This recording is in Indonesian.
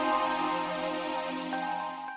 dan kamu masih tidak mau ngaku